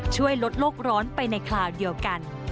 ช่วยลดโลกร้อนไปในคราวเดียวกัน